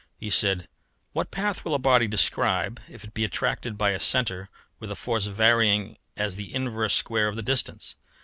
He said, "What path will a body describe if it be attracted by a centre with a force varying as the inverse square of the distance."